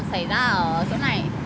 xảy ra ở chỗ này